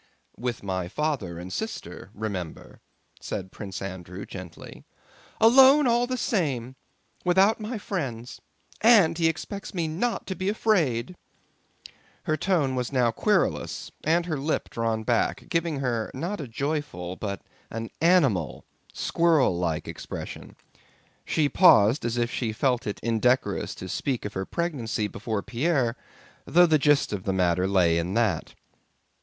"With my father and sister, remember," said Prince Andrew gently. "Alone all the same, without my friends.... And he expects me not to be afraid." Her tone was now querulous and her lip drawn up, giving her not a joyful, but an animal, squirrel like expression. She paused as if she felt it indecorous to speak of her pregnancy before Pierre, though the gist of the matter lay in that.